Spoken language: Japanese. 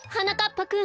ぱくん